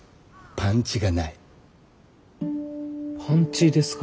パンチですか？